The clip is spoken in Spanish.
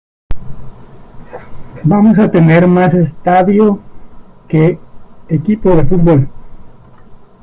Vamos a tener más estadio que equipo de fútbol.